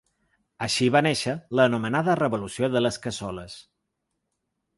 Així va néixer l’anomenada revolució de les cassoles.